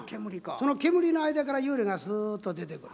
その煙の間から幽霊がスーッと出てくる。